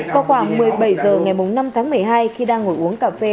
có khoảng một mươi bảy giờ ngày năm tháng một mươi hai khi đang ngồi uống cà phê